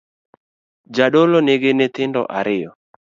Jadolo nigi nyithindo ariyo